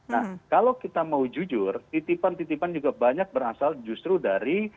nah kalau kita mau jujur titipan titipan juga banyak berasal justru dari